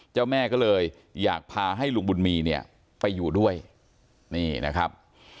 เจ้าแม่ก็เลยอยากพาให้ลุงบุญมีเนี่ยไปอยู่ด้วยนี่นะครับ